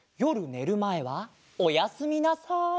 ねるまえはおやすみなさい。